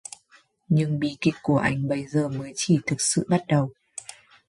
Nhưng bi kịch của anh bây giờ mới chỉ thực sự bắt đầu